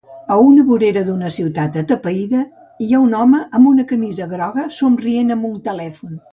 A una vorera d"una ciutat atapeïda hi ha un home amb una camisa groga somrient amb un telèfon.